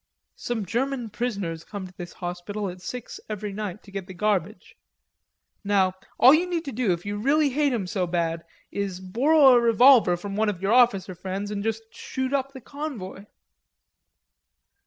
"Some German prisoners come to this hospital at six every night to get the garbage; now all you need to do if you really hate 'em so bad is borrow a revolver from one of your officer friends, and just shoot up the convoy...."